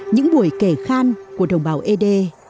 những buổi kể khan của đồng bào ế đê